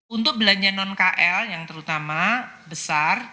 untuk belanja non kl yang terutama besar